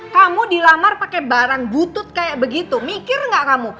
kamu dilamar pakai barang butut kayak begitu mikir gak kamu